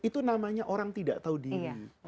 itu namanya orang tidak tahu diri